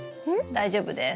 大丈夫です。